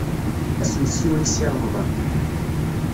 Ad as-nessiwel i Si Remḍan.